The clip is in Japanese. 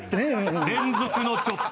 連続のチョップ。